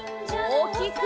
おおきく！